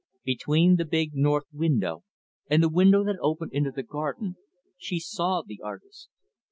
Between the big, north window and the window that opened into the garden, she saw the artist.